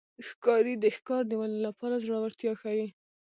ښکاري د ښکار د نیولو لپاره زړورتیا ښيي.